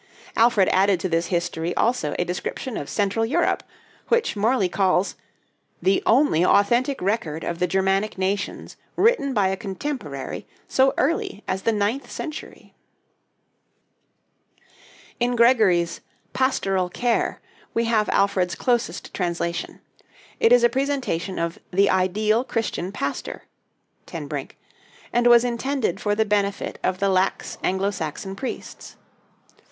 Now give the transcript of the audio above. Alfred added to this 'History' also a description of Central Europe, which Morley calls "the only authentic record of the Germanic nations written by a contemporary so early as the ninth century." In Gregory's 'Pastoral Care' we have Alfred's closest translation. It is a presentation of "the ideal Christian pastor" (Ten Brink), and was intended for the benefit of the lax Anglo Saxon priests.